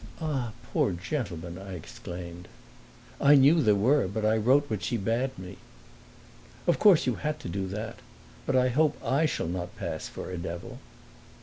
"Ah, poor gentleman!" I exclaimed. "I knew there were, but I wrote what she bade me." "Of course you had to do that. But I hope I shall not pass for a devil."